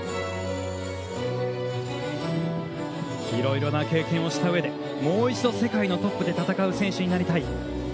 いろいろな経験をした上でもう一度、世界のトップで戦う選手になりたい。